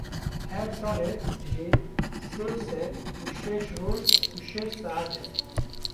Her salek jî sê sed û şêst roj û şeş seat e.